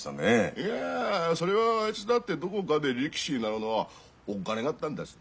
いやそれはあいつだってどこかで力士になるのはおっかねかったんです。